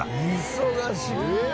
忙しい。